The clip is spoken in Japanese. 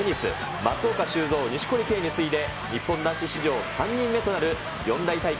松岡修造、錦織圭に次いで、日本男子史上３人目となる四大大会